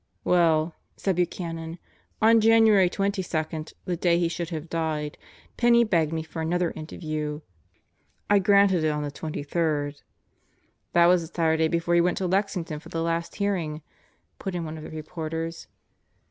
"Well," said Buchanan, "on January twenty second, the day he should have died, Penney begged me for another interview. I granted it on the twenty third. ..." "That was the Saturday before they went to Lexington for the last hearing," put in one of the reporters.